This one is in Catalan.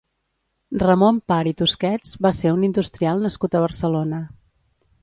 Ramon Par i Tusquets va ser un industrial nascut a Barcelona.